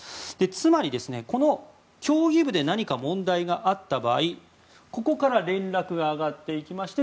つまり、この競技部で何か問題があった場合ここから連絡が上がっていきまして